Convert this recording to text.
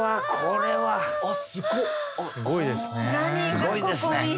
すごいですね。